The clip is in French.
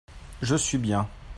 Je suis bien.